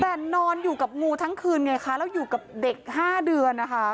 แต่นอนอยู่กับงูทั้งคืนไงคะแล้วอยู่กับเด็ก๕เดือนนะคะ